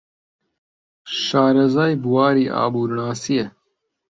شارەزای بواری ئابوورناسییە.